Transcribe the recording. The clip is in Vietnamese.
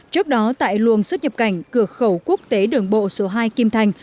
trước đó tại luồng xuất nhập cảnh cửa khẩu quốc tế đường bộ số hai kim thành